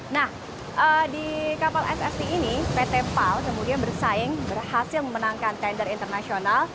nah di kapal sft ini pt pal kemudian bersaing berhasil memenangkan tender internasional